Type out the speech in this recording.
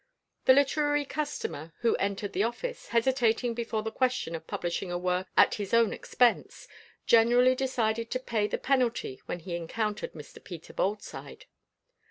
The literary customer who entered the office, hesitating before the question of publishing a work at his own expense, generally decided to pay the penalty when he encountered Mr. Peter Boldside.